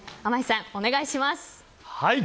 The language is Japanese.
さん、お願いします。